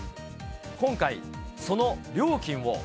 今回、その料金を。